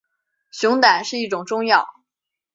熊胆是一种中药。